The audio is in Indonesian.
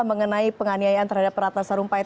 mengenai penganiayaan terhadap peratasan rumpah